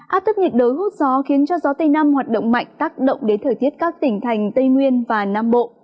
áp thấp nhiệt đới hút gió khiến cho gió tây nam hoạt động mạnh tác động đến thời tiết các tỉnh thành tây nguyên và nam bộ